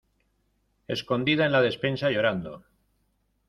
escondida en la despensa llorando